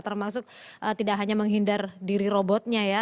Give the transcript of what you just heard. termasuk tidak hanya menghindar diri robotnya ya